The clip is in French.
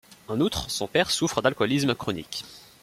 En outre, son père souffre d'alcoolisme chronique.